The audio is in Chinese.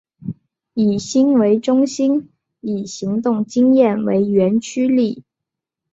以心为中心以行动经验为原驱力。